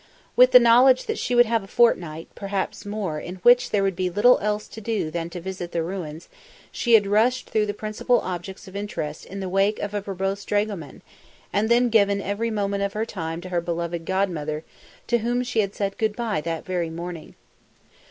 With the knowledge that she would have a fortnight, perhaps more, in which there would be little else to do than to visit the ruins, she had rushed through the principal objects of interest in the wake of a verbose dragoman, and then given every moment of her time to her beloved godmother, to whom she had said good bye that very morning.